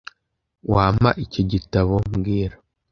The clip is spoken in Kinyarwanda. Wampa icyo gitabo mbwira